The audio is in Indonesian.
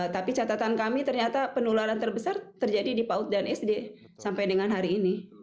tapi catatan kami ternyata penularan terbesar terjadi di paud dan sd sampai dengan hari ini